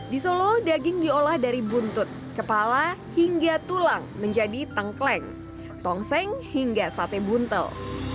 di solo daging diolah dari buntut kepala hingga tulang menjadi tengkleng tongseng hingga sate buntel